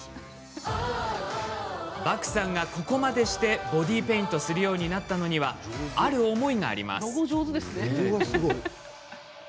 バクさんが、ここまでしてボディーペイントするようになったのにはある思いがあります。